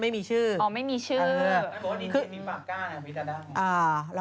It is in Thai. ไม่มีชื่ออ๋อไม่มีชื่อ